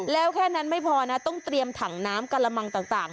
แล้วแค่นั้นไม่พอนะต้องเตรียมถังน้ำกระมังต่าง